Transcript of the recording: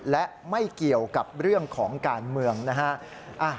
และไม่เกี่ยวกับเรื่องของการเมืองนะฮะ